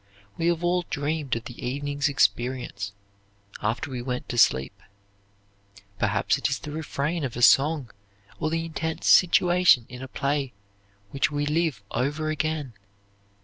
We have all dreamed of the evening's experience, after we went to sleep: perhaps it is the refrain of a song or the intense situation in a play which we live over again.